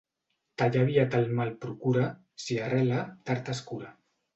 Tallar aviat el mal procura, si arrela, tard es cura.